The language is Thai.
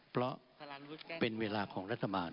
เพราะเป็นเวลาของรัฐบาล